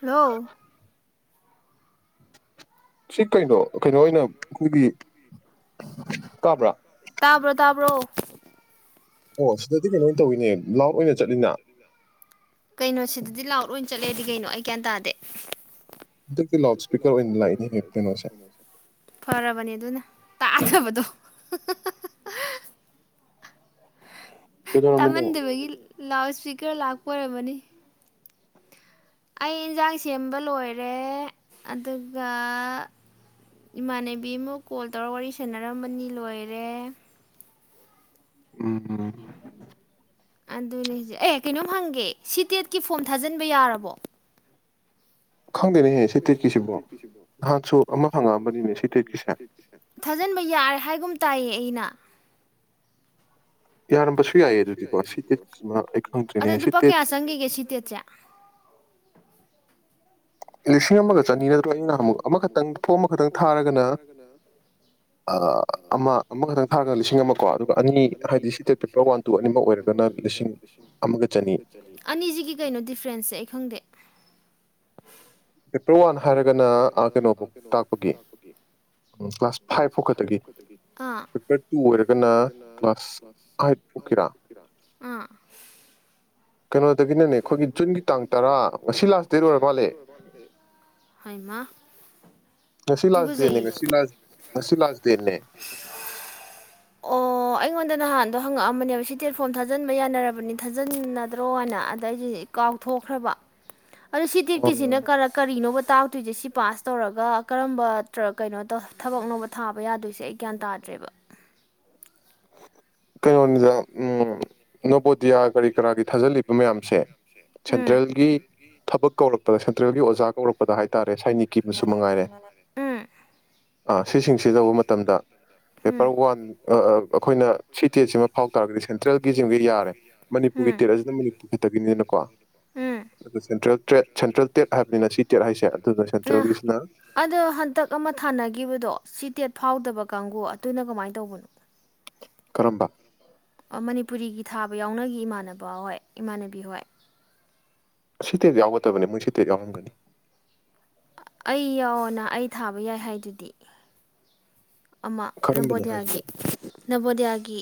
hello ꯁꯤ ꯀꯩꯅꯣ ꯀꯩꯅꯣ ꯑꯣꯏꯅ ꯈꯣꯏꯒꯤ ꯇꯥꯕ꯭ꯔꯥ ꯇꯥꯕ꯭ꯔꯣ ꯇꯥꯕ꯭ꯔꯣ ꯑꯣ ꯁꯤꯗꯗꯤ ꯀꯩꯅꯣ ꯑꯣꯏ ꯇꯧꯋꯤꯅꯦ ꯂꯥꯎꯠ ꯑꯣꯏꯅ ꯆꯠꯂꯤꯅ ꯀꯩꯅꯣ ꯁꯤꯗꯗꯤ ꯂꯥꯎꯠꯑꯣꯏ ꯆꯠꯂꯦꯗꯤ ꯀꯩꯅꯣ ꯑꯩ ꯒꯌ꯭ꯥꯥ ꯟ ꯇꯥꯗꯦ ꯍꯟꯗꯛꯇꯤ ꯂꯥꯎꯠ ꯏꯁꯄꯤꯀꯔ ꯑꯣꯏꯅ ꯂꯥꯛꯏꯅꯦꯍꯦ ꯀꯩꯅꯣꯁꯦ ꯐꯔꯕꯅꯤ ꯑꯗꯨꯅ ꯇꯥꯗꯕꯗꯣ [unintelligible] ꯀꯩꯗꯧꯔꯝꯃꯤꯅꯣ ꯇꯥꯃꯟꯗꯕꯒꯤ ꯂꯥꯎꯠ ꯏꯁꯄꯤꯀꯔ ꯂꯥꯛꯄ ꯑꯣꯏꯔꯝꯃꯅꯤ ꯑꯩ ꯏꯟꯖꯥꯡ ꯁꯦꯝꯕ ꯂꯣꯏꯔꯦ ꯑꯗꯨꯒ ꯏꯃꯥꯟꯅꯕꯤ ꯑꯃꯨꯛ ꯀꯣꯜ ꯇꯧꯔꯒ ꯋꯥꯔꯤ ꯁꯥꯟꯅꯔꯝꯕꯅꯤ ꯂꯣꯏꯔꯦ ꯎꯝ ꯑꯗꯨꯅꯤ ꯍꯨꯖꯤꯛ ꯑꯦ ꯀꯩꯅꯣꯝ ꯍꯪꯒꯦ ꯁꯤꯇꯦꯠꯀꯤ ꯐꯣꯝ ꯊꯥꯖꯤꯟꯕ ꯌꯥꯔꯕꯣ ꯈꯪꯗꯦꯅꯦꯍꯦ ꯁꯤ ꯇꯦꯠꯀꯤꯁꯤꯕꯣ ꯅꯍꯥꯟꯁꯨ ꯑꯃ ꯍꯪꯉꯛꯑꯝꯕꯅꯤꯅꯦ ꯁꯤ ꯇꯦꯠꯀꯤꯁꯦ ꯊꯥꯖꯤꯟꯕ ꯌꯥꯔꯦ ꯍꯥꯏꯒꯨꯝ ꯇꯥꯏꯌꯦ ꯑꯩꯅ ꯌꯥꯔꯝꯕꯁꯨ ꯌꯥꯏꯌꯦ ꯑꯗꯨꯗꯤꯀꯣ ꯁꯤ ꯇꯦꯠꯁꯤꯃ ꯑꯩ ꯑꯗ ꯈꯪꯗ꯭ꯔꯤꯅꯦ ꯁꯤ ꯇꯦꯠ ꯑꯗꯨꯗꯨꯄꯀꯌꯥ ꯁꯒꯒꯤ ꯁꯤꯤꯇꯦ ꯆꯦ ꯂꯤꯁꯤꯡ ꯑꯃꯒ ꯆꯅꯤ ꯅꯠꯇꯒ ꯑꯃꯨꯛ ꯑꯃꯈꯪ ꯑꯃꯈꯛꯇꯪ ꯊꯥꯔꯒꯅ ꯑ, ꯑꯃ ꯑꯃꯈꯛꯇꯪ ꯊꯥꯔꯒꯅ ꯑꯃ ꯀꯣ ꯂꯤꯁꯤꯡ ꯑꯃꯣ ꯑꯅꯤ ꯑꯗꯨꯒ ꯑ ꯍꯥꯏꯗꯤ ꯁꯤ ꯇꯦꯠ ꯄꯦꯄꯔ ꯋꯥꯟ ꯇꯨ ꯑꯅꯤꯃꯛ ꯑꯣꯏꯔꯒꯅ ꯂꯤꯁꯤꯡ ꯑꯃꯒ ꯑꯣꯏ ꯆꯅꯤ ꯂꯤꯒ ꯑꯅꯤꯁꯤꯒꯤ ꯀꯩꯅꯣ ꯗꯤꯐ꯭ꯔꯦꯟꯁꯁꯦ ꯑꯩ ꯈꯪꯗꯦ ꯆꯦꯞꯇꯔ ꯋꯥꯟ ꯍꯥꯏꯔꯒꯅ ꯀꯩꯅꯣꯕꯨ ꯇꯥꯛꯄꯒꯤ ꯐꯥꯏꯚ ꯀ꯭ꯂꯥꯁ ꯐꯥꯎ ꯈꯛꯇꯒꯤ ꯐꯚꯔ ꯀ꯭ꯂ ꯄꯦꯄꯔ ꯇꯨ ꯑꯣꯏꯔꯒꯅ ꯀ꯭ꯂꯥꯁ ꯑꯥꯏꯠ ꯐꯥꯎꯀꯤꯔꯥ ꯀꯩꯅꯣꯗꯒꯤꯅꯅꯦ ꯑꯩꯈꯣꯏꯒꯤ ꯀꯩꯅꯣꯗꯒꯤꯅꯅꯦ ꯖꯨꯟꯒꯤ ꯇꯥꯡ ꯑꯩꯈꯣꯏꯒꯤ ꯇꯔꯥ ꯖꯨꯟꯒꯤ ꯇꯥꯡ ꯉꯁꯤ ꯇꯔꯥ ꯂꯥꯁ ꯗꯦꯠ ꯃꯁꯤ ꯑꯣꯏꯔ ꯃꯥꯜꯂꯦ ꯂꯥꯛꯄꯤꯔ ꯉꯁꯤ ꯂꯥꯁꯗꯦꯅꯦ ꯉꯁꯤ ꯂ ꯉꯁꯤ ꯂꯥꯁꯗꯦꯅꯦ ꯐꯪꯉꯛꯑꯝꯕꯅꯦꯕ ꯁꯤ ꯇꯦꯠꯐꯣꯝ ꯊꯥꯖꯟꯕ ꯌꯥꯅꯔꯕꯅꯤ ꯊꯥꯖꯟꯅꯗ꯭ꯔꯣ ꯍꯥꯏꯅ ꯑꯗꯩꯁꯤ ꯀꯥꯎꯊꯣꯛꯈ꯭ꯔꯕ ꯑꯗꯣ ꯁꯤ ꯇꯤꯠꯀꯤꯁꯤꯅ ꯀꯔ ꯀꯔꯤꯅꯣꯕ ꯇꯥꯛꯇꯣꯏꯁꯦ ꯁꯤ ꯄꯥꯁ ꯇꯧꯔꯒ ꯀꯔꯝꯕ ꯀꯩꯅꯣ ꯇꯧ ꯊꯕꯛꯅꯣꯧꯕ ꯊꯥꯕ ꯌꯥꯗꯣꯏꯁꯦ ꯑꯩ ꯒ꯭ꯌꯥꯟ ꯇꯥꯗ꯭ꯔꯦꯕ ꯀꯩꯅꯣꯅꯤꯗ ꯅꯣꯕꯣꯗꯤꯌꯥ ꯀꯔꯤ ꯀꯔꯥꯒꯤ ꯊꯥꯖꯤꯜꯂꯤꯕ ꯃꯌꯥꯝꯁꯦ ꯎꯝ ꯁꯦꯟꯇ꯭ꯔꯦꯜꯒꯤ ꯊꯕꯛ ꯀꯧꯔꯛꯄꯗ ꯁꯦꯟꯇ꯭ꯔꯦꯜꯒꯤ ꯑꯣꯖꯥ ꯀꯧꯔꯛꯄꯗ ꯍꯥꯏꯇꯥꯔꯦ ꯁꯥꯏꯅꯤꯛꯀꯤ ꯃꯁꯨ ꯃꯉꯥꯏꯔꯦ ꯎꯝ ꯑ ꯁꯤꯁꯤꯡꯁꯤ ꯇꯧꯕ ꯃꯇꯝꯗ ꯎꯝ ꯄꯦꯄꯔ ꯋꯥꯟ ꯑꯩꯈꯣꯏꯅ ꯁꯤ ꯇꯦꯠꯁꯤꯃ ꯐꯥꯎ ꯇꯥꯔꯒꯗꯤ ꯁꯦꯟꯇ꯭ꯔꯦꯜꯒꯤꯁꯤꯃꯒ ꯌꯥꯔꯦ ꯃꯅꯤꯄꯨꯔꯒꯤ ꯇꯦꯠ ꯑꯁꯤꯅ ꯃꯅꯤꯄꯨꯔ ꯈꯛꯇꯒꯤꯅꯤꯅꯀꯣ ꯎꯝ ꯑꯗꯨꯒ ꯁꯦꯟꯇ꯭ꯔꯦꯜ ꯇ꯭ꯔꯦꯠ ꯁꯦꯟꯇ꯭ꯔꯦꯜ ꯇꯦꯠ ꯍꯥꯏꯕꯅꯤꯅ ꯁꯤ ꯇꯦꯠ ꯍꯥꯏꯁꯦ ꯑꯗꯨꯅ ꯎꯝ ꯁꯦꯟꯇ꯭ꯔꯦꯜꯒꯤꯁꯤꯅ ꯑꯗꯣ ꯍꯟꯇꯛ ꯑꯃ ꯊꯥꯅꯈꯤꯕꯗꯣ ꯁꯤꯇꯦꯠ ꯐꯥꯎꯗꯕ ꯀꯥꯡꯒꯨ ꯑꯗꯨꯅ ꯀꯃꯥꯏꯅ ꯇꯧꯕꯅꯣ ꯀꯔꯝꯕ ꯃꯅꯤꯄꯨꯔꯤꯒꯤ ꯊꯥꯕ ꯌꯥꯎꯅꯒꯤ ꯏꯃꯥꯟꯅꯕ ꯍꯣꯏ ꯏꯃꯥꯟꯅꯕꯤ ꯍꯣꯏ ꯁꯤꯇꯦ ꯌꯥꯎꯒꯗꯕꯅꯤ ꯃꯣꯏ ꯁꯤꯇꯦ ꯌꯥꯎꯔꯝꯒꯅꯤ ꯑꯩ ꯌꯥꯎꯅ ꯑꯩ ꯊꯥꯕ ꯌꯥꯏ ꯍꯥꯏꯗꯨꯗꯤ ꯑꯃ ꯀꯔꯝꯕꯅꯣ ꯍꯥꯏꯁꯤꯕꯣ ꯅꯝꯕꯣꯗꯤꯌꯥꯒꯤ ꯅꯝꯕꯣꯗꯤꯌꯥꯒꯤ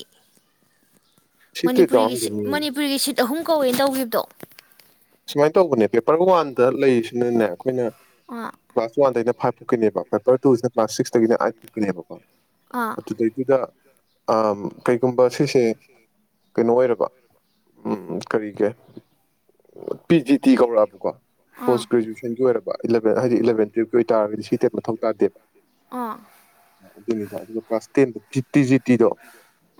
ꯁꯤ ꯇꯦꯠ ꯃꯅꯤꯄꯨꯔꯤꯒꯤ ꯌꯥꯎꯔꯝꯒꯅꯤꯌꯦ ꯃꯅꯤꯄꯨꯔꯤꯒꯤ ꯁꯤꯠ ꯑꯍꯨꯝ ꯀꯧꯋꯦꯅ ꯇꯧꯈꯤꯕꯗꯣ ꯁꯨꯃꯥꯏꯅ ꯇꯧꯕꯅꯦ ꯄꯦꯄꯔ ꯋꯥꯟꯗ ꯂꯩꯔꯤꯁꯤꯅꯅꯦ ꯑꯩꯈꯣꯏꯅ ꯑꯥ ꯄꯕꯥꯁꯋꯥꯟꯗ ꯏꯩꯅ ꯐꯥꯏꯚ ꯐꯨꯛꯀꯤꯅꯦꯕ ꯄꯦꯄꯔ ꯇꯨꯁꯤꯅ ꯀ꯭ꯂꯥꯁ ꯁꯤꯛꯁꯇꯒꯤꯅ ꯑꯥꯏꯠ ꯐꯣꯛꯛꯀꯤꯅꯦꯕꯀꯣ ꯑꯥ ꯑꯗꯨꯗꯩꯗꯨꯗ ꯀꯩꯒꯨꯝꯕ ꯁꯤꯁꯦ ꯀꯩꯅꯣ ꯑꯣꯏꯔꯕ ꯀꯔꯤꯒꯦ ꯄꯤ ꯖꯤ ꯇꯤ ꯀꯧꯔꯛꯕꯀꯣ ꯑꯥ ꯄꯣꯁ ꯒ꯭ꯔꯦꯖꯨꯋꯦꯁꯟꯒꯤ ꯑꯣꯏꯔꯕ ꯏꯂꯚꯦꯟ ꯍꯥꯏꯗꯤ ꯏꯂꯦꯟ ꯑꯗꯨ ꯑꯣꯏꯇꯥꯥꯔꯒꯗꯤ ꯁꯤ ꯇ ꯃꯊꯧ ꯇꯥꯗꯦꯕ ꯑꯥ ꯑꯗꯨꯅꯤꯗ ꯑꯗꯨꯒ ꯀ꯭ꯂꯥꯁ ꯇꯦꯟ ꯇꯤ ꯖꯤ ꯇꯤꯗꯣ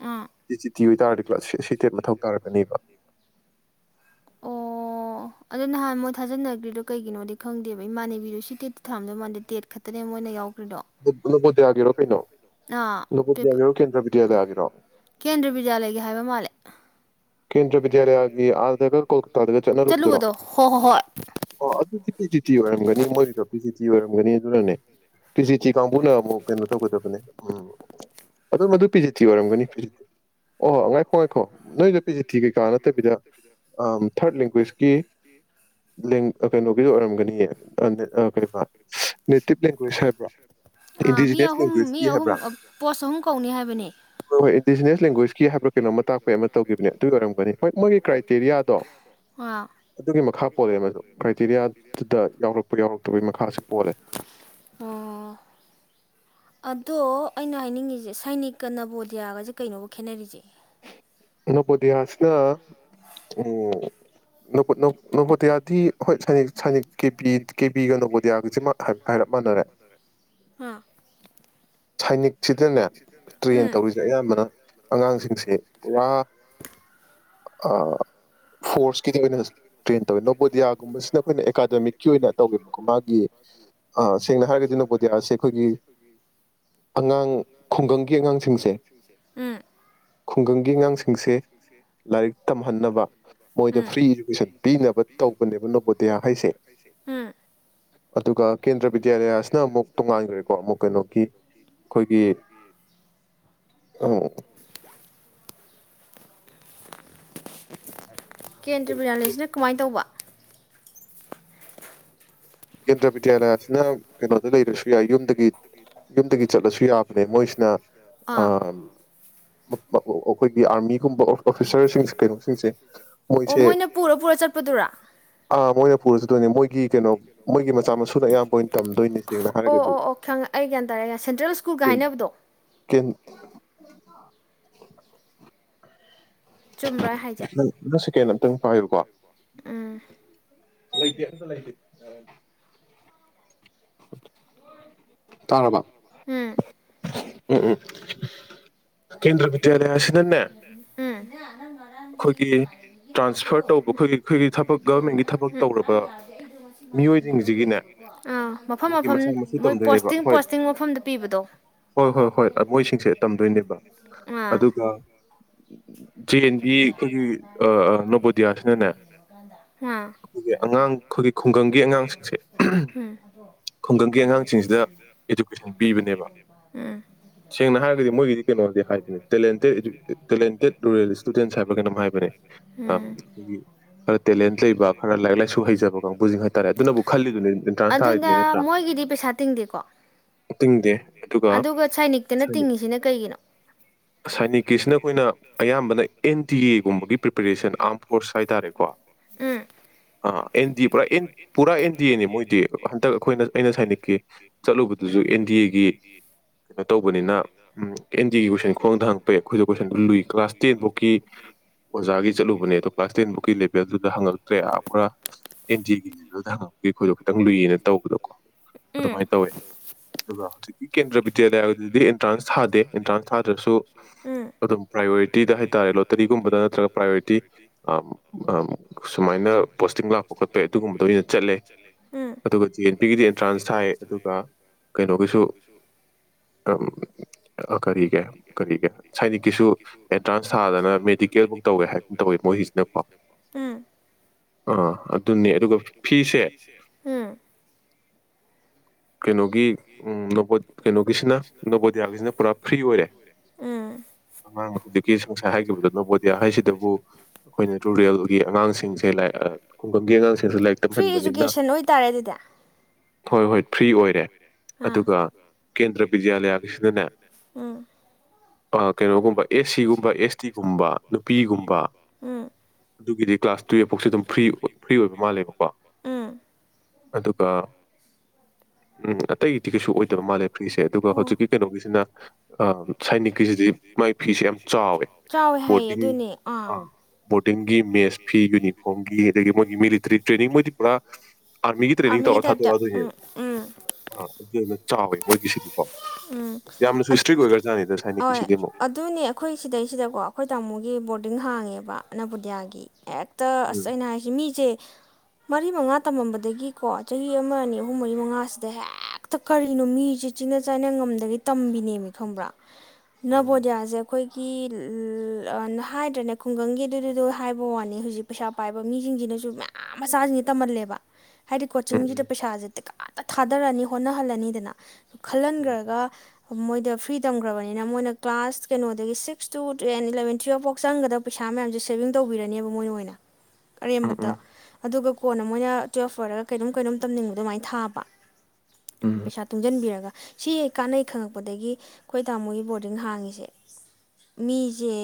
ꯑꯥ ꯇꯤ ꯖꯤ ꯇꯤ ꯑꯣꯏꯇꯥꯔꯗꯤ ꯁꯩꯇꯦꯠ ꯃꯊꯧ ꯇꯥꯔꯛꯀꯅꯦꯕ ꯑꯗꯨꯗꯣ ꯅꯍꯥꯟ ꯃꯣꯏ ꯊꯥꯖꯅꯈ꯭ꯔꯤꯗꯣ ꯀꯩꯒꯤꯅꯣꯗꯤ ꯈꯪꯗꯦꯕ ꯏꯃꯥꯟꯅꯕꯤꯗꯨꯁꯨ ꯇꯤꯀꯦꯠꯇ ꯊꯝꯗ ꯃꯣꯟꯗ ꯇꯦꯠ ꯇꯅꯦ ꯃꯣꯏꯅ ꯌꯥꯎ [unintelligible] ꯌꯥꯒꯦꯔꯣ ꯄꯤꯩꯅꯣ ꯑꯥꯄ ꯕꯤꯗ꯭ꯌꯥꯂꯌꯥꯒꯤꯔꯣ ꯀꯦꯟꯗ꯭ꯔ ꯕꯤꯗ꯭ꯌꯥꯂꯌꯥꯒꯤ ꯍꯥꯏꯕ ꯃꯥꯜꯂꯦ ꯀꯦꯟꯗ꯭ꯔ ꯄ ꯦꯔꯌꯥꯒꯤ ꯑꯥꯗꯒ ꯀꯣꯜꯀꯇꯥꯗꯒ ꯆꯠꯅꯔꯨꯕꯗꯨꯔꯣ ꯆꯠꯂꯨꯕꯗꯣ ꯍꯣ ꯍꯣ ꯍꯣꯏ ꯑꯣ ꯑꯗꯨꯗꯤ ꯄꯤꯖꯤ ꯇꯤ ꯑꯣꯏꯔꯝꯒꯅꯤ ꯃꯣꯏꯒꯤꯗ ꯄꯤꯖꯤ ꯇꯤ ꯁꯤ ꯑꯣꯏꯔꯝꯒꯅꯤ ꯑꯗꯨꯔꯅꯦ ꯀꯤꯁꯤ ꯆꯤ ꯀꯥꯡꯕꯨꯅ ꯑꯃꯨꯛ ꯀꯩꯅꯣ ꯇꯧꯒꯗꯕꯅꯦ ꯎꯝ ꯑꯗꯨ ꯑꯗꯨ ꯃꯗꯨ ꯄꯤꯖꯤꯇꯤ ꯑꯣꯏꯔꯝꯒꯅꯤ ꯐꯤꯖꯤꯤ ꯑꯣ ꯉꯥꯏꯈꯣ ꯉꯥꯏꯈꯣ ꯅꯣꯏꯗ ꯊꯥꯔꯠ ꯂꯦꯡꯒ꯭ꯋꯦꯖꯀꯤ ꯀꯩꯅꯣꯒꯤꯗꯣ ꯑꯣꯏꯔꯝꯒꯅꯤꯌꯦ ꯀꯩꯕ ꯅꯦꯇꯤꯞ ꯂꯦꯡꯒ꯭ꯋꯦꯖ ꯍꯥꯏꯕ꯭ꯔꯥ ꯑꯥ ꯃꯤ ꯏꯟꯗꯤꯖꯤꯅꯁ ꯑꯍꯨꯝ ꯃꯤ ꯂꯦꯡꯒ꯭ꯋꯦꯖꯀꯤ ꯑꯍꯨꯝ ꯍꯥꯏꯕ꯭ꯔꯥ ꯄꯣꯁ ꯑꯍꯨꯝ ꯀꯧꯅꯤ ꯍꯥꯏꯕꯅꯦ ꯍꯣꯏ ꯍꯣꯏ ꯏꯟꯗꯤꯖꯤꯅ꯭ꯁ ꯂꯦꯡꯒ꯭ꯋꯦꯁꯀꯤ ꯍꯥꯏꯕ꯭ꯔꯥ ꯀꯩꯅꯣ ꯑꯃ ꯇꯥꯛꯄꯩ ꯑꯃ ꯇꯧꯈꯤꯕꯅꯦ ꯑꯗꯨꯒꯤ ꯑꯣꯏꯔꯝꯒꯅꯤ ꯍꯣꯏ ꯃꯣꯏꯒꯤ ꯀ꯭ꯔꯥꯏꯇꯦꯔꯤꯌꯥꯗꯣ ꯑꯗꯨꯒꯤ ꯃꯈꯥ ꯄꯣꯜꯂꯦ ꯃꯗꯨ ꯑꯣ ꯀ꯭ꯔꯥꯏꯇꯦꯔꯤꯌꯥꯗꯨꯗ ꯌꯥꯎꯔꯛꯄ ꯌꯥꯎꯔꯛꯇꯕꯒꯤ ꯃꯈꯥꯁꯨ ꯄꯣꯜꯂꯦ ꯑꯗ ꯑꯩꯅ ꯍꯥꯏꯅꯤꯡꯉꯤꯁꯦ ꯁꯩꯅꯤꯛ ꯀ ꯅꯕꯣꯗꯤꯌꯥꯒꯁꯦ ꯀꯩꯅꯣꯒ ꯈꯦꯠꯅꯔꯤꯁꯦ ꯅꯄꯣꯗꯤꯍꯥꯁꯅ ꯎ ꯀꯦꯄꯤ ꯣꯌꯥꯣꯏꯦꯒꯣꯌꯥ ꯀꯦꯕꯤꯒ ꯅꯣꯕꯣꯗꯤꯌꯥꯒꯁꯦ ꯃꯥ ꯍꯥꯏ ꯍꯥꯏꯔꯞ ꯃꯥꯟꯅꯔꯦ ꯍꯥꯏꯔ ꯁꯥꯏꯅꯤꯛꯁꯤꯗꯅꯦ ꯃꯅꯔꯦꯗꯅꯦꯌꯥꯝꯕꯅ ꯇ꯭ꯔꯦꯟ ꯑꯉꯥꯡ ꯌꯥ ꯑ ꯐꯣꯔꯁ ꯣꯔ ꯑꯣꯏꯅ ꯇ꯭ꯔꯦꯟ ꯇ ꯄ꯭ꯔꯣꯗꯤꯌꯥ ꯑꯩꯈꯣꯏꯅ ꯑꯩꯈꯣꯏꯒꯤ ꯑꯣꯏꯅ ꯑꯦꯀꯥꯗꯃꯤꯛꯀꯤ ꯇꯧꯋꯦꯕꯀꯣ ꯑꯣꯏꯅ ꯃꯥꯒꯤ ꯑꯥ ꯍꯥꯏꯔꯒꯗꯤ ꯁꯦꯡꯅ ꯍꯥꯏꯔꯒꯗꯤꯅ ꯅꯣꯕꯣꯗꯤꯌꯥꯁꯦ ꯄ꯭ꯔꯣꯗꯤꯌꯥꯁꯦ ꯑꯩꯈꯣꯏꯒꯤ ꯑꯉꯥꯡ ꯈꯨꯡꯒꯪꯒꯤ ꯑꯉꯥꯡꯁꯤꯡꯁꯦ ꯈꯨꯡꯒꯪꯒꯤ ꯑꯉꯥꯡꯁꯤꯡꯁꯦ ꯂꯥꯏꯔꯤꯛ ꯇꯝꯍꯟꯅꯕ ꯃꯣꯏ ꯎꯝ ꯐ꯭ꯔꯤ ꯏꯗꯨꯀꯦꯁꯟ ꯄꯤꯅꯕ ꯇꯧꯕꯅꯦꯕ ꯅꯣꯕꯣꯗꯤꯌꯥ ꯍꯥꯏꯁꯦ ꯎꯝ ꯑꯗꯨꯒ ꯀꯦꯟꯗ꯭ꯔ ꯕꯤꯗ꯭ꯌꯥꯂꯌꯥꯁꯤꯅ ꯑꯃꯨꯛ ꯇꯣꯡꯉꯥꯟꯈ꯭ꯔꯦꯀꯣ ꯑꯃꯨꯛ ꯀꯩꯅꯣꯒꯤ ꯑꯩꯈꯣꯏꯒꯤ ꯑ ꯀꯦꯟꯗ꯭ꯔ ꯕꯤꯔꯌꯥꯂꯤꯁꯤꯅ ꯀꯃꯥꯏꯅ ꯇꯧꯕ ꯀꯦꯟꯗ꯭ꯔ ꯕꯤꯗ꯭ꯌꯥꯂꯌꯥ ꯑꯁꯤꯅ ꯀꯩꯅꯣꯗ ꯂꯩꯔꯁꯨ ꯌꯥꯏ ꯌꯨꯝꯗꯒꯤ ꯌꯨꯝꯗꯒꯤ ꯆꯠꯂꯁꯨ ꯌꯥꯕꯅꯦ ꯃꯣꯏꯁꯤꯅ ꯑꯥ ꯑ ꯑꯩꯈꯣꯏꯒꯤ ꯑꯥꯔꯃꯤꯒꯨꯝꯕ ꯑꯣꯐꯤꯁꯔꯁꯤꯡ ꯀꯩꯅꯣꯁꯤꯡꯁꯦ ꯑꯣ ꯃꯣꯏꯁꯦ ꯃꯣꯏꯅ ꯄꯨꯔ ꯄꯨꯔ ꯆꯠꯄꯗꯨꯔꯥ ꯑꯥ ꯃꯣꯏꯅ ꯄꯨꯔꯁꯨꯗꯣꯏꯅꯦ ꯃꯣꯏꯒꯤ ꯀꯩꯅꯣ ꯃꯣꯏꯒꯤ ꯃꯆꯥ ꯃꯁꯨꯅ ꯑꯌꯥꯝꯕ ꯑꯣꯏꯅ ꯇꯝꯗꯣꯏꯅꯤ ꯁꯦꯡꯅ ꯍꯥꯏꯔꯒꯗꯤ ꯈꯪ ꯑꯩ ꯒ꯭ꯌꯥꯟ ꯇꯥꯔꯦ ꯁꯦꯟꯇ꯭ꯔꯦꯜ ꯁ꯭ꯀꯨꯜꯒ ꯍꯥꯏꯅꯕꯗꯣ [unintelligible] ꯆꯨꯝꯕ꯭ꯔꯥ ꯑꯩ ꯁꯤ ꯀꯦꯅ ꯈꯤꯇꯪ ꯄꯥꯏꯕꯀꯣ ꯑꯝ ꯂꯇ ꯂꯩꯇ ꯇꯥꯔꯕ ꯎꯝ ꯎꯝ ꯎꯝ ꯀꯦꯟꯗ꯭ꯔꯕꯤꯗ꯭ꯌꯥꯂꯌꯥ ꯑꯁ ꯅꯅ ꯅ ꯎꯝ ꯑꯩꯈꯣꯏꯒꯤ ꯇ꯭ꯔꯥꯟꯁꯐꯔ ꯇꯧꯕ ꯑꯩꯈꯣꯏꯒꯤ ꯑꯩꯈꯣꯏꯒꯤ ꯊꯕꯛ ꯒꯔꯃꯦꯟꯒꯤ ꯊꯕꯛ ꯇꯧꯔꯕ ꯃꯤꯑꯣꯏꯁꯤꯡꯁꯤꯒꯤꯅꯦ ꯑꯥ ꯃꯐꯝ ꯃꯣꯏꯒꯤ ꯃꯐꯝ ꯃꯆꯥ ꯃꯁꯨ ꯃꯣꯏ ꯇꯝꯗꯣꯏꯅꯦꯕ ꯄꯣꯁꯇꯤꯡ ꯍꯣꯏ ꯄꯣꯁꯇꯤꯡ ꯃꯐꯝꯗ ꯄꯤꯕꯗꯣ ꯍꯣꯏ ꯍꯣꯏ ꯍꯣꯏ ꯃꯣꯏꯁꯤꯡꯁꯦ ꯇꯝꯗꯣꯏꯅꯦꯕ ꯑꯗꯨꯒ ꯖꯦ ꯑꯦꯟ ꯕꯤ ꯑꯩꯈꯣꯏꯒꯤ ꯅꯣꯕꯣꯗꯤꯌꯥꯁꯤꯅꯅꯦ ꯑꯩꯈꯣꯏꯒꯤ ꯑꯉꯥꯡ ꯑꯩꯈꯣꯏꯒꯤ ꯈꯨꯡꯒꯪꯒꯤ ꯑꯉꯥꯡꯁꯤꯡꯁꯦ ꯈꯨꯡꯒꯪꯒꯤ ꯑꯉꯥꯡꯁꯤꯡꯁꯤꯗ ꯏꯗꯨꯀꯦꯁꯟ ꯄꯤꯕꯅꯦꯕ ꯁꯦꯡꯅ ꯍꯥꯏꯔꯒꯗꯤ ꯃꯣꯏꯒꯤꯗꯤ ꯀꯩꯅꯣꯗꯤ ꯎ ꯨꯔꯦꯜ ꯏꯁꯇꯨꯗꯦꯟꯁ ꯍꯥꯏꯕ ꯀꯩꯅꯣꯝ ꯍꯥꯏꯕꯅꯦ ꯎꯝ ꯑꯩꯈꯣꯏꯒꯤ ꯈꯔ ꯇꯦꯂꯦꯟ ꯂꯩꯕ ꯈꯔ ꯂꯥꯏꯔꯤꯛ ꯂꯥꯏꯁꯨ ꯍꯩꯖꯕ ꯀꯥꯡꯕꯨꯁꯤꯡ ꯍꯥꯏꯇꯥꯔꯦ ꯑꯗꯨꯅꯕꯨ ꯈꯜꯂꯤꯗꯨꯅꯤ ꯑꯦꯟꯇ꯭ꯔꯥꯟꯁ ꯊꯥꯔꯤꯗꯨꯅꯤ ꯑꯗꯨꯅ ꯅꯠꯇ꯭ꯔꯥ ꯃꯣꯏꯒꯤꯗꯤ ꯄꯩꯁꯥ ꯇꯤꯡꯗꯦꯀꯣ ꯇꯤꯡꯗꯦ ꯑꯗꯨꯒ ꯁꯥꯏꯅꯤꯛꯇꯅ ꯇꯤꯡꯉꯤꯁꯤꯅ ꯀꯩꯒꯤꯅꯣ ꯁꯥꯏꯅꯤꯛꯀꯤꯁꯤꯅ ꯑꯩꯈꯣꯏꯅ ꯑꯌꯥꯝꯕꯅ ꯑꯦꯟ ꯇꯤ ꯑꯦꯒꯨꯝꯕꯒꯤ ꯄ꯭ꯔꯤꯄꯦꯔꯦꯁꯟ ꯑꯥꯝꯄꯁ ꯍꯥꯏꯇꯥꯔꯦꯀꯣ ꯎꯝ ꯑ ꯑꯦꯟ ꯗꯤ ꯑꯦ ꯄꯨꯥ ꯄꯨꯔꯥ ꯑꯦꯟ ꯗꯤ ꯑꯦꯅꯤ ꯃꯣꯏꯗꯤ ꯍꯟꯗꯛ ꯑꯩꯈꯣꯏꯅ ꯑꯩꯅ ꯁꯥꯏꯅꯀꯤ ꯆꯠꯂꯨꯕꯗꯨꯁꯨ ꯑꯦꯟ ꯗꯤ ꯑꯦꯒꯤ ꯀꯩꯅꯣ ꯇꯧꯕꯅꯤꯅ ꯎ ꯑꯦꯟ ꯗꯤ ꯑꯦꯒꯤ ꯀꯣꯏꯁꯟ ꯈꯋꯥꯪꯗ ꯍꯪꯉꯄꯏ ꯑꯩꯈꯣꯏꯁꯨ ꯀꯣꯏꯁꯟꯗꯨ ꯂꯨꯏ ꯀ꯭ꯂꯥꯁ ꯇꯦꯟꯐꯧ ꯑꯣꯖꯥꯒꯤ ꯆꯠꯂꯨꯕꯅꯦ ꯑꯗꯣ ꯀ꯭ꯂꯥꯁ ꯇꯦꯟꯕꯨꯛꯀꯤ ꯂꯦꯚꯦꯜꯗꯨꯗ ꯍꯪꯉꯛꯇ꯭ꯔꯦ ꯄꯨꯔꯥ ꯑꯦꯟ ꯗꯤ ꯑꯦꯒꯤ ꯂꯦꯚꯦꯜꯗ ꯍꯪꯉꯛꯄꯒꯤ ꯑꯩꯈꯣꯏꯗꯣ ꯈꯤꯇꯪ ꯂꯨꯏꯌꯦꯅ ꯇꯧꯕꯗꯀꯣ ꯎꯝ ꯑꯗꯨꯃꯥꯏꯅ ꯇꯧꯋꯦ ꯑꯗꯨꯒ ꯍꯧꯖꯤꯛꯀꯤ ꯀꯦꯟꯗ꯭ꯔ ꯕꯤꯗ꯭ꯌꯥꯂꯌꯥꯗꯗꯤ ꯑꯦꯟꯇ꯭ꯔꯥꯟꯁ ꯊꯥꯗꯦ ꯑꯦꯟꯇ꯭ꯔꯥꯟꯁ ꯊꯥꯗ꯭ꯔꯁꯨ ꯎꯝ ꯑꯗꯨꯝ ꯄ꯭ꯔꯥꯏꯌꯣꯔꯤꯇꯤꯗ ꯍꯥꯏ ꯍꯥꯏꯇꯥꯔꯦ ꯂꯣꯇꯔꯤꯒꯨꯝꯕꯗ ꯅꯠꯇ꯭ꯔꯒ ꯄ꯭ꯔꯥꯏꯌꯣꯔꯤꯇꯤ ꯁꯨꯃꯥꯏꯅ ꯄꯣꯁꯇꯤꯡ ꯂ ꯈꯈꯠꯄꯩ ꯑꯗꯨꯒꯨꯝꯕꯗ ꯑꯣꯏꯅ ꯆꯠꯂꯦ ꯎꯝ ꯑꯗꯨꯒ ꯖꯤ ꯑꯦꯟ ꯄꯤꯒꯤꯗꯤ ꯑꯦꯟꯇ꯭ꯔꯥꯟꯁ ꯊꯥꯏ ꯑꯗꯨꯒ ꯀꯩꯅꯣꯒꯤꯁꯨ ꯀꯔꯤꯒꯤ ꯀꯔꯤꯒꯤ ꯁꯥꯏꯅꯤꯛꯀꯤꯁꯨ ꯑꯦꯟꯇ꯭ꯔꯥꯟꯁ ꯁꯥꯗꯅ ꯃꯦꯗꯤꯀꯦꯜꯃꯨꯛ ꯇꯧꯒꯦ ꯍꯥꯏꯕ ꯇꯧꯋꯦ ꯃꯣꯏꯒꯤꯁꯤꯅꯀꯣ ꯎꯝ ꯑꯥ ꯑꯗꯨꯅꯤ ꯑꯗꯨꯒ ꯐꯤꯁꯦ ꯎꯝ ꯀꯩꯅꯣꯒꯤ ꯀꯩꯅꯣꯒꯤꯁꯤꯅ ꯅꯕꯣꯗꯤꯌꯥꯒꯤꯁꯤꯅ ꯄꯨꯔꯥ ꯐ꯭ꯔꯤ ꯑꯣꯏꯔꯦ ꯎꯝ ꯑꯉꯥꯡ ꯍꯧꯖꯤꯛ ꯅ ꯕꯣꯗꯤꯌꯥ ꯍꯥꯏꯁꯤꯗꯕꯨ ꯑꯩꯈꯣꯏ ꯔꯨꯔꯦꯜꯒꯤ ꯑꯉꯥꯡꯁꯤꯡꯁꯦ ꯈꯨꯡꯒꯪꯒꯤ ꯑꯉꯥꯡ ꯂꯥꯏꯔꯤꯛ ꯐ꯭ꯔꯤ ꯇꯝꯍꯟꯕꯅꯤꯅ ꯏꯖꯨꯀꯦꯁꯟ ꯑꯣꯏꯇꯥꯔꯦ ꯑꯗꯨꯗꯤ ꯍ ꯍ ꯐꯔꯤ ꯑꯥ ꯑꯗꯨꯒ ꯀꯦꯟꯗ꯭ꯔ ꯕꯤꯗ꯭ꯌꯥꯂꯌꯥꯒꯤꯁꯤꯅꯅꯦ ꯎꯝ ꯀꯩꯅꯣꯒꯨꯝꯕ ꯑꯦꯁ ꯁꯤꯒꯨꯝꯕ ꯁꯤꯒꯨꯝꯕ ꯑꯦꯁ ꯇꯤꯒꯨꯝꯕ ꯑꯗꯨꯒꯤꯗꯤ ꯅꯨꯄꯤꯒꯨꯝꯕꯒꯤꯗꯤ ꯀ꯭ꯂꯥꯁ ꯇꯨꯌꯦꯜꯞ ꯐꯥꯎꯁꯦ ꯇꯨꯋ ꯐꯥꯎꯁ ꯐ꯭ꯔꯤ ꯑꯗꯨꯝ ꯐ꯭ꯔꯤꯔꯤ ꯐ꯭ꯔꯤ ꯑꯣꯏꯕ ꯃꯥꯜꯂꯦꯕꯀꯣ ꯃꯥꯜꯂꯦꯀꯣ ꯑꯗꯨꯒ ꯎꯝ ꯑꯇꯩꯗꯤ ꯀꯩꯁꯨ ꯑꯣꯏꯗꯕ ꯃꯥꯜꯂꯦ ꯐꯤꯁꯦ ꯑꯗꯨꯒ ꯑꯣ ꯍꯧꯖꯤꯛꯀꯤ ꯀꯩꯅꯣꯒꯤꯁꯤꯅ ꯁꯥꯏꯅꯤꯛꯀꯤꯁꯤꯗꯤ ꯃꯥꯏ ꯐꯤꯁꯦ ꯌꯥꯝ ꯆꯥꯎꯋꯦ ꯆꯥꯎꯋꯦ ꯍꯥꯏꯌꯦ ꯕꯣꯔꯗꯤꯡ ꯑꯗꯨꯅꯦ ꯑꯥ ꯕꯣꯔꯗꯤꯡꯒꯤ ꯃꯦꯠꯁ ꯐꯤ ꯌꯨꯅꯤꯐꯣꯔꯝꯒꯤ ꯑꯗꯒꯤ ꯃꯣꯏꯒꯤ ꯃꯤꯂꯤꯇ꯭ꯔꯤ ꯇ꯭ꯔꯦꯅꯤꯡ ꯃꯣꯏꯗꯤ ꯄꯨꯔꯥ ꯑꯥꯔꯃꯤꯒꯤ ꯇ꯭ꯔꯦꯅꯤꯡ ꯇꯧꯔ ꯇꯥꯏꯞꯇ ꯎꯝ ꯊꯥꯗꯣꯔꯛꯑꯗꯣꯏꯅꯦꯕ ꯎꯝ ꯑꯥ ꯑꯗꯨ ꯑꯣꯏꯅ ꯆꯥꯎꯋꯦ ꯃꯣꯏꯒꯤꯁꯤꯗꯤꯀꯣ ꯎꯝ ꯌꯥꯝꯅꯁꯨ ꯏꯁꯇ꯭ꯔꯤꯛ ꯑꯣꯏꯕ ꯑ ꯌꯥꯝꯅꯁꯨ ꯏꯁꯇ꯭ꯔꯤꯛ ꯑꯣꯏꯈ꯭ꯔꯖꯥꯠꯅꯤꯗ ꯍꯣꯏ ꯁꯥꯏꯅꯤꯛꯀꯤꯁꯤꯗꯤ ꯑꯃꯨꯛ ꯑꯗꯨꯅꯦ ꯑꯩꯈꯣꯏ ꯁꯤꯗꯩꯁꯤꯗꯀꯣ ꯑꯩꯈꯣꯏ ꯇꯥꯃꯣꯒꯤ ꯕꯣꯔꯗꯤꯡ ꯍꯥꯡꯉꯦꯕ ꯑꯅꯕꯨꯗꯤꯌꯥꯒꯤ ꯍꯦꯛ ꯇ ꯎꯝ ꯑꯁ ꯑꯩꯅ ꯍꯥꯏꯁꯤ ꯃꯤꯁꯦ ꯃꯔꯤ ꯃꯉꯥ ꯇꯝꯃꯝꯕꯗꯒꯤꯀꯣ ꯆꯍꯤ ꯑꯃ ꯑꯅꯤ ꯑꯍꯨꯝ ꯃꯔꯤ ꯃꯉꯥꯁꯤꯗ ꯍꯦꯛꯇ ꯀꯔꯤꯅꯣ ꯃꯤꯁꯦ ꯆꯤꯅ ꯆꯥꯏꯅ ꯉꯝꯗꯒꯤ ꯇꯝꯕꯤꯅꯦꯕ ꯈꯪꯕ꯭ꯔꯥ ꯅꯕꯣꯖꯌꯥꯁꯦ ꯑꯩꯈꯣꯏ ꯍꯥꯏꯗ꯭ꯔꯅꯦ ꯈꯨꯡꯒꯪꯒꯤ ꯑꯗꯨꯗꯨꯗꯣ ꯍꯥꯏꯕ ꯋꯥꯅꯤ ꯍꯧꯖꯤꯛ ꯄꯩꯁꯥ ꯄꯥꯏꯕ ꯃꯤꯁꯤꯡꯁꯤꯅꯁꯨ ꯃꯌꯥꯝ ꯃꯆꯥꯁꯤꯡꯁꯤ ꯇꯝꯍꯜꯂꯦꯕ ꯍꯥꯏꯗꯤ ꯎꯝ ꯀꯣꯆꯤꯡꯁꯤꯗ ꯄꯩꯁꯥꯁꯤꯗ ꯇ ꯀꯥꯅ ꯊꯥꯗꯔꯅꯤ ꯍꯣꯠꯅꯍꯜꯂꯅꯤꯗꯅ ꯎꯝ ꯈꯜꯍꯟꯈ꯭ꯔꯒ ꯃꯣꯏꯗ ꯐ꯭ꯔꯤ ꯇꯝꯈ꯭ꯔꯕꯅꯤꯅ ꯃꯣꯏꯅ ꯀ꯭ꯂꯥꯁ ꯀꯩꯅꯣꯗꯒꯤ ꯁꯤꯛꯁ ꯇꯨ ꯇꯦꯟ ꯏꯂꯕꯦꯟ ꯇꯨꯌꯦꯜꯞꯐꯥꯎ ꯆꯪꯒꯗꯕ ꯄꯩꯁꯥ ꯃꯌꯥꯝꯁꯦ ꯁꯦꯚꯤꯡ ꯇꯧꯕꯤꯔꯅꯦꯕ ꯃꯣꯏꯅ ꯑꯣꯏꯅ ꯎꯝ ꯑꯔꯦꯝꯕꯗ ꯎꯝ ꯑꯗꯨꯒ ꯀꯣꯟꯅ ꯃꯣꯏꯅ ꯇꯨꯋꯦꯜꯐ ꯑꯣꯏꯔꯒ ꯀꯩꯅꯣꯝꯩꯅꯣꯝꯅꯤꯡꯕ ꯑꯗꯨꯃꯥꯏꯅ ꯊꯥꯕ ꯎꯝ ꯄꯩꯁꯥ ꯇꯨꯡꯁꯤꯟꯕꯤꯔꯒ ꯁꯤ ꯀꯥꯟꯅꯩ ꯈꯪꯉꯛꯄꯗꯒꯤ ꯑꯩꯈꯣꯏ ꯇꯥꯃꯣꯒꯤ ꯕꯣꯔꯗꯤꯡ ꯍꯥꯡꯉꯤꯁꯦ ꯃꯤꯁꯦ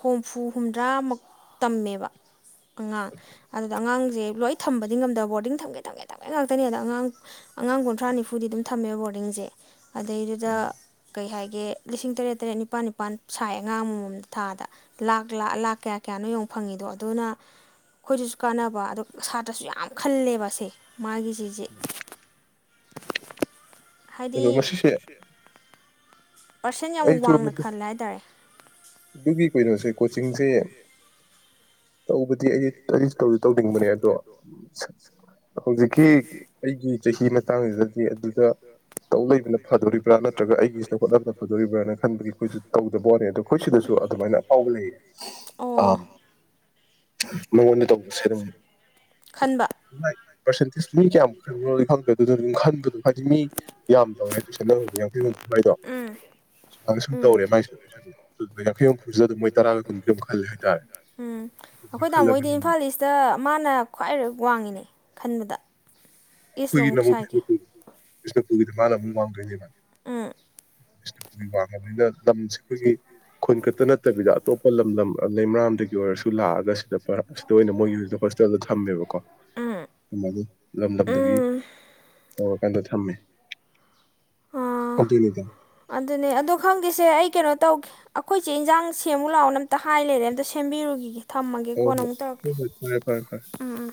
ꯍꯨꯝꯐꯨ ꯍꯨꯝꯗ꯭ꯔꯥꯃꯨꯛ ꯇꯝꯃꯦꯕ ꯑꯉꯥꯡ ꯑꯗꯨꯗ ꯑꯉꯥꯡꯁꯦ ꯂꯣꯏ ꯊꯝꯕꯅꯤ ꯑ ꯉꯝꯗ ꯣꯔꯗꯤꯡ ꯊꯒꯦ ꯊꯝꯒꯦ ꯇꯋꯥꯏ ꯉꯥꯛꯇꯅꯦ ꯑꯗ ꯑꯉꯥꯡ ꯑꯉꯥꯡ ꯀꯨꯟꯊ꯭ꯔꯥ ꯅꯤꯐꯨꯗꯤ ꯑꯗꯨꯝ ꯊꯝꯃꯦꯕ ꯕꯣꯔꯗꯤꯡꯁꯦ ꯑꯗꯩꯗꯨꯗ ꯀꯩ ꯍꯥꯏꯦ ꯒꯤ ꯂꯤꯁꯤꯡ ꯇꯔꯦꯠ ꯇꯔꯦꯠ ꯅꯤꯄꯥꯜ ꯅꯤꯄꯥꯜ ꯁꯥꯏ ꯑꯉꯥꯡ ꯑꯃꯃꯝꯗ ꯊꯥꯗ ꯂꯥꯛ ꯂꯥꯛ ꯀꯌꯥ ꯀꯌꯥꯅꯣ ꯌꯡ ꯐꯪꯉꯤꯗꯣ ꯑꯗꯨꯅ ꯑꯩꯈꯣꯏꯗꯁꯨ ꯀꯥꯟꯅꯕ ꯑꯗꯣ ꯁꯥꯇ꯭ꯔꯁꯨ ꯌꯥꯝ ꯈꯜꯂꯦꯕ ꯁꯦ ꯃꯥꯒꯤꯁꯤꯁꯦ ꯎꯝ ꯍꯥꯏꯗꯤ ꯑꯗꯣ ꯃꯁꯤꯁꯦ ꯄꯥꯔꯁꯦꯟ ꯌꯥꯝ ꯑꯩꯁꯨ ꯋꯥꯡꯅ ꯃꯗꯨ ꯈꯜꯂꯦ ꯍꯥꯏꯇꯥꯔꯦ ꯑꯗꯨꯒꯤ ꯀꯩꯅꯣꯁꯦ ꯀꯣꯆꯤꯡꯁꯦ ꯇꯧꯕꯗꯤ ꯑꯩꯗꯤ ꯇꯧ ꯇꯧꯅꯤꯡꯕꯅꯦ ꯑꯗꯣ ꯍꯧꯖꯤꯛꯀꯤ ꯑꯩꯒꯤ ꯆꯍꯤ ꯃꯇꯥꯡꯁꯤꯗꯗꯤ ꯑꯗꯨꯗ ꯇꯧ ꯂꯩꯕꯅ ꯐꯗꯣꯔꯤꯕ꯭ꯔꯥ ꯅꯠꯇ꯭ꯔꯒ ꯑꯩꯒꯤ ꯇꯧꯗꯣꯔꯤꯕ꯭ꯔꯥꯅ ꯈꯟꯕꯒꯤ ꯑꯩꯈꯣꯏꯁꯨ ꯇꯧꯗꯕ ꯋꯥꯣꯠꯅꯤ ꯑꯗꯣ ꯑꯩꯈꯣꯏ ꯁꯤꯗꯁꯨ ꯑꯗꯨꯃꯥꯏꯅ ꯑꯐꯥꯎꯕ ꯂꯩꯌꯦ ꯑ ꯑꯣ ꯃꯉꯣꯟꯗ ꯇꯧꯕ ꯁꯔ ꯈꯟꯕ ꯄꯥꯔꯁꯦꯟꯇꯦꯖ ꯃꯤ ꯀꯌꯥꯝ ꯈꯟꯉꯣꯜꯂꯤ ꯈꯪꯗ꯭ꯔꯦ ꯑꯗꯨꯅ ꯑꯗꯨꯝ ꯈꯟꯕꯗꯣ ꯍꯥꯏꯗꯤ ꯃꯤ ꯌꯥꯝ ꯇꯧꯋꯦ ꯇꯨꯁꯦ ꯅꯪꯗꯤ ꯌꯥꯡꯩ ꯉꯝꯗꯕ ꯍꯥꯏꯗꯣ ꯍꯥꯟꯅ ꯁꯨꯝ ꯎꯝ ꯇꯧꯔꯦ ꯃꯥꯏꯁꯨ ꯑꯗꯨꯏꯁꯨ ꯑꯗꯨꯗꯨꯒ ꯌꯥꯡꯈꯩ ꯍꯨꯝꯐꯨꯁꯤꯗ ꯑꯗꯨꯝ ꯃꯣꯏ ꯇꯔꯥꯒ ꯀꯨꯟꯒꯃꯨꯛ ꯈꯜꯂꯦ ꯍꯥꯏꯇꯥꯔꯦ ꯎꯝ ꯑꯗꯨꯗꯨꯅ ꯑꯩꯈꯣꯏ ꯇꯥꯃꯣꯏꯗꯤ ꯈꯜꯂꯕꯅꯤꯅ ꯏꯝꯐꯥꯜ ꯏꯁꯇ ꯃꯥꯅ ꯈ꯭ꯋꯥꯏ ꯋꯥꯡꯉꯤꯅꯦ ꯈꯟꯕꯗ ꯏꯁ ꯑꯩꯈꯣꯏꯒꯤ ꯂꯣꯡ ꯅꯃꯨꯛ ꯁꯥꯏꯒꯤ ꯕꯤꯁꯅꯨꯄꯨꯔ ꯆꯪ ꯄꯨꯔꯒꯤꯗꯤ ꯃꯥꯅ ꯑꯃꯨꯛ ꯋꯥꯡꯗꯣꯏꯅꯦꯕ ꯎꯝ ꯕꯤꯁꯅꯨꯄꯨꯔꯒꯤ ꯋꯥꯡꯉꯕꯅꯤꯅ ꯂꯝꯁꯦ ꯑꯩꯈꯣꯏꯒꯤ ꯈꯨꯟ ꯈ- ꯈꯛꯇ ꯅꯠꯇꯕꯤꯗ ꯑꯇꯣꯞꯄ ꯂꯝꯗꯝ ꯂꯩꯃꯔꯥꯝꯗꯒꯤ ꯑꯣꯏꯔꯁꯨ ꯂꯥꯛꯑꯒ ꯁꯤꯗ ꯂꯥꯛꯑꯒ ꯁꯤꯗ ꯃꯣꯏꯒꯤ ꯍꯧꯖꯤꯛ ꯑꯣꯏꯅ ꯗꯨꯝ ꯍꯣꯁꯇꯦꯜꯗ ꯊꯝꯃꯦꯕꯀꯣ ꯊꯝꯃꯦꯕ ꯎꯝ ꯎꯝ ꯒꯤ ꯑꯣꯜ ꯀꯥꯟꯗ ꯊꯝꯃꯦ ꯑꯥ ꯑꯗꯨꯅꯤꯗ ꯑꯗꯨꯅꯦ ꯑꯗꯣ ꯈꯪꯗꯦꯁꯦ ꯑꯩ ꯀꯩꯅꯣ ꯇꯧꯒꯦ ꯑꯩꯈꯣꯏ ꯆꯦ ꯏꯟꯖꯥꯡ ꯁꯦꯝꯃꯨ ꯂꯥꯛꯑꯣꯅ ꯑꯝꯇ ꯍꯥꯏ ꯂꯩꯔꯦ ꯑꯝꯇ ꯁꯦꯝꯕꯤꯔꯨꯒꯤꯒꯦ ꯊꯝꯃꯒꯦ ꯍꯣꯏ ꯀꯣꯟꯅ ꯑꯃꯨꯛ ꯇꯧꯔꯛꯀꯦ ꯍꯣꯏ ꯍꯣꯏ ꯍꯣꯏ ꯐꯔꯦ ꯐꯔꯦ ꯐꯔꯦ ꯎꯝ ꯎꯝ